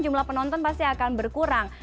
jumlah penonton pasti akan berkurang